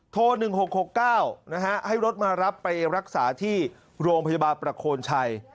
โทร๑๖๖๙ให้รถมารับไปรักษาที่โรงพยาบาลประโคนชัย